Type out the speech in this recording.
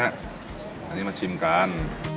อันนี้มาชิมกัน